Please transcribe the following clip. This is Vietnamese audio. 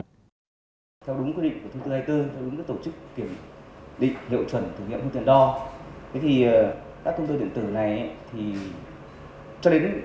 theo đúng quy định của thông tư eicer theo đúng các tổ chức kiểm định